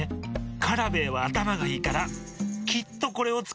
カラベーはあたまがいいからきっとこれをつかうよ。